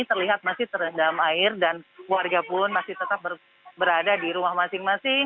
terlihat masih terendam air dan warga pun masih tetap berada di rumah masing masing